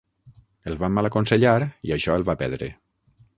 El van malaconsellar, i això el va perdre.